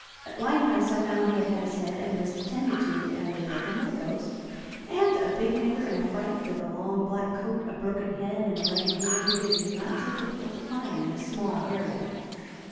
At Limehouse I found he had had his head and wrist attended to at a local medico's, and a big nigger in a fright, with a long black coat, a broken head, and a lame hand, is not so difficult to find in a small area.